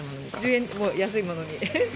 １０円でも安いものに。